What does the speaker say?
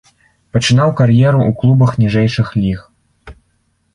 Пачынаў кар'еру ў клубах ніжэйшых ліг.